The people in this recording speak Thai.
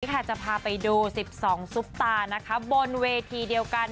สวัสดีค่ะจะพาไปดูสิบสองซุปตานะคะบนเวทีเดียวกัน